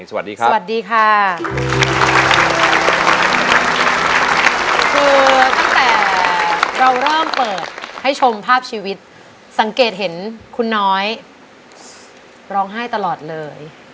สวัสดีครับสวัสดีค่ะคือตั้งแต่เราเริ่มเปิดให้ชมภาพชีวิตสังเกตเห็นคุณน้อยร้องไห้ตลอดเลย